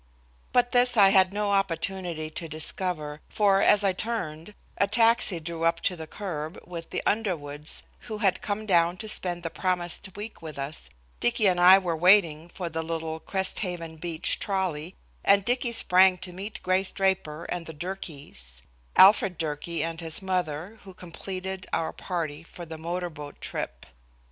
But this I had no opportunity to discover, for as I turned, a taxi drew up to the curb where the Underwoods who had come down to spend the promised week with us Dicky and I were waiting for the little Crest Haven Beach trolley and Dicky sprang to meet Grace Draper and the Durkees Alfred Durkee and his mother, who completed our party for the motor boat trip.